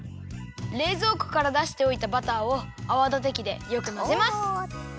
れいぞうこからだしておいたバターをあわだてきでよくまぜます。